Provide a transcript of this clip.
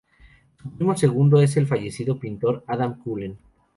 Su primo segundo es el fallecido pintor Adam Cullen.